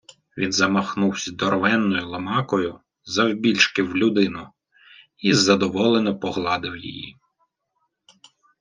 Він замахнувсь здоровенною ломакою, завбільшки в людину, й задоволене погладив її.